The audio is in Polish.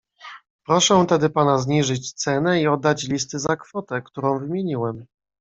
"Proszę tedy pana zniżyć cenę i oddać listy za kwotę, którą wymieniłem."